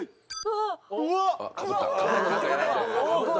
うわっ！